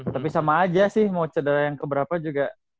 tapi sama aja sih mau cedera yang keberapa juga